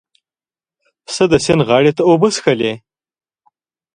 پسه د سیند غاړې ته اوبه څښلې.